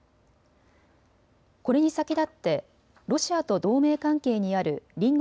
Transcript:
これに先立ってロシアと同盟関係にある隣国